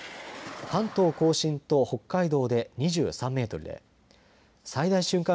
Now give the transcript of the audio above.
関東甲信と北海道で２３メートルで最大瞬間